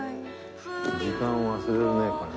時間を忘れるねこれね。